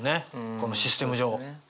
このシステム上。